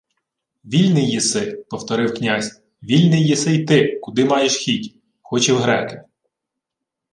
— Вільний єси, — повторив князь. — Вільний єси йти, куди маєш хіть. Хоч і в греки.